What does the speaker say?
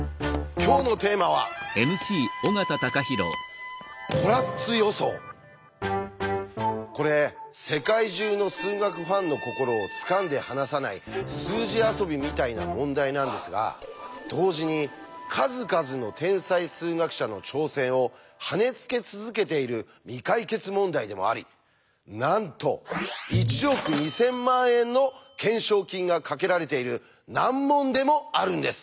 今日のテーマはこれ世界中の数学ファンの心をつかんで離さない数字遊びみたいな問題なんですが同時に数々の天才数学者の挑戦をはねつけ続けている未解決問題でもありなんと１億２０００万円の懸賞金がかけられている難問でもあるんです！